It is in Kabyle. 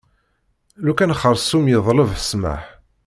Lukan xersum yeḍleb ssmaḥ.